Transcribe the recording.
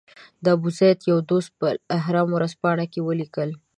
د ابوزید یو دوست په الاهرام ورځپاڼه کې ولیکل.